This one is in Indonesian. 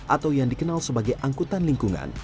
atau yang dikenal sebagai angkutan lingkungan